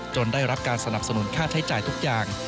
ได้รับการสนับสนุนค่าใช้จ่ายทุกอย่าง